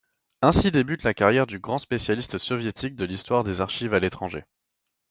Ainsi débute la carrière du grand spécialiste soviétique de l’histoire des archives à l’étranger.